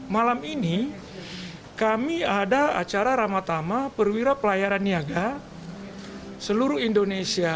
malam ini kami ada acara ramatama perwira pelayaran niaga seluruh indonesia